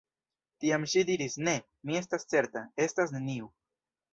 Tiam ŝi diris: Ne — mi estas certa — estas neniu.